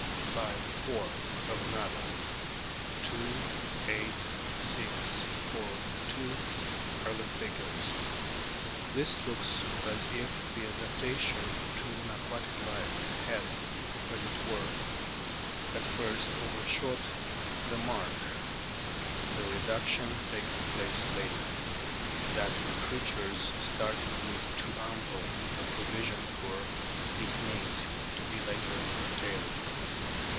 9, IV. 5, V. 4; of an adult, 2, 8,6, 4, 2 are the figures. This looks as if the adaptation to an aquatic life had, as it were, at first overshot the mark, the reduction taking place later ; that the creatures started with too ample a provision for its needs, to be later curtailed.